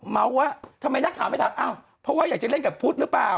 เมาส์ว่าทำไมนักข่าวไม่ถามอ้าวเพราะว่าอยากจะเล่นกับพุทธหรือเปล่า